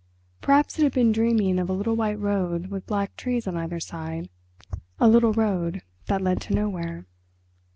Perhaps it had been dreaming of a little white road with black trees on either side, a little road that led to nowhere.